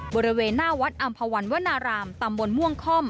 บริเวณหน้าวัดอำภาวันวนารามตำบลม่วงค่อม